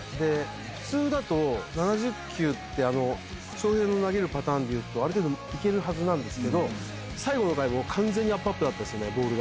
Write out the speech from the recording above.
普通だと７０球って翔平の投げるパターンでいうとある程度いけるはずですけど最後の回完全にアップアップだったですよね。